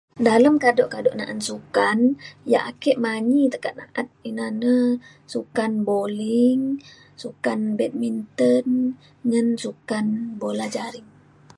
dalem kado kado na'an sukan ia' ake manyi teka na'at ina na sukan bowling sukan badminton ngan sukan bola jaring